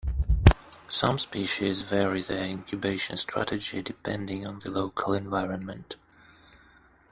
Some species vary their incubation strategy depending on the local environment.